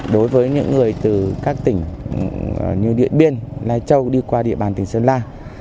đối với những người từ các tỉnh như điện biên lai châu đi qua địa bàn tỉnh sơn la